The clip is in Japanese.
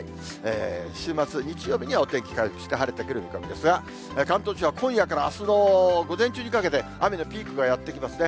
週末日曜日にはお天気回復して、晴れてくる見込みですが、関東地方は今夜からあすの午前中にかけて、雨のピークがやって来ますね。